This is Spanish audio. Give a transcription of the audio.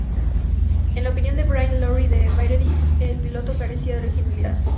En la opinión de Brian Lowry de "Variety", el piloto carecía de originalidad.